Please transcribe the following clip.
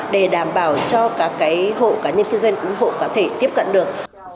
để đảm bảo cho các hộ cá nhân kinh doanh cũng hộ có thể tiếp cận được